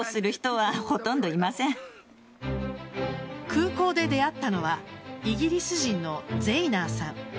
空港で出会ったのはイギリス人のゼイナーさん。